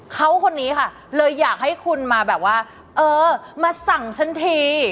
เขาคนนี้ค่ะเลยอยากให้คุณมาแบบว่าเออมาสั่งฉันที